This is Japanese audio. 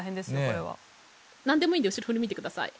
なんでもいいんで後ろ振り向いてください。